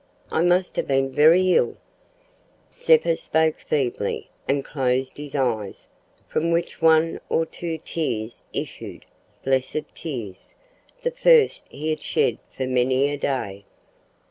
I must have been very ill." Zeppa spoke feebly, and closed his eyes, from which one or two tears issued blessed tears! the first he had shed for many a day.